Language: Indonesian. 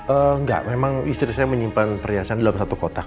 enggak memang istri saya menyimpan perhiasan dalam satu kotak